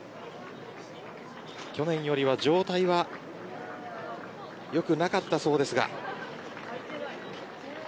去年よりは状態はよくなかったそうですが。